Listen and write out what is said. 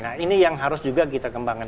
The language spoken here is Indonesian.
nah ini yang harus juga kita kembangkan